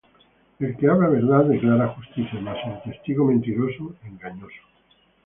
El que habla verdad, declara justicia; Mas el testigo mentiroso, engaño.